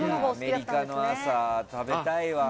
アメリカの朝、食べたいわ。